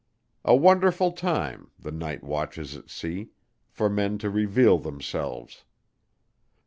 A wonderful time, the night watches at sea, for men to reveal themselves.